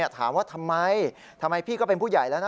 ถามว่าทำไมทำไมพี่ก็เป็นผู้ใหญ่แล้วนะ